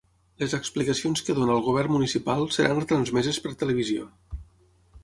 Les explicacions que dona el govern municipal seran retransmeses per televisió.